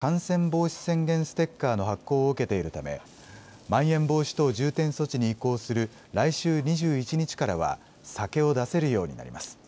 今は緊急事態宣言で酒の提供ができませんが、福岡県から、感染防止宣言ステッカーの発行を受けているため、まん延防止等重点措置に移行する来週２１日からは、酒を出せるようになります。